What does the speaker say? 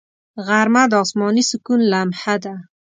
غرمه د آسماني سکون لمحه ده